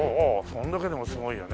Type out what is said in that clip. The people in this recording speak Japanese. それだけでもすごいよね。